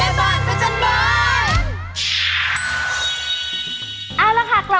แม่บ้านพระจันทร์บ้าน